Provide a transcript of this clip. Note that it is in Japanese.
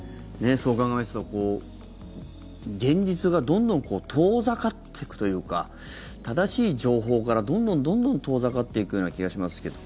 そう考えますと、現実がどんどん遠ざかっていくというか正しい情報からどんどん、どんどん遠ざかっていくような気がしますけど。